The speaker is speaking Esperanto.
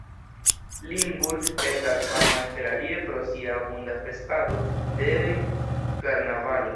Limburg estas fama interalie pro sia abunda festado de karnavalo.